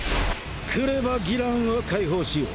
来れば義爛は解放しよう。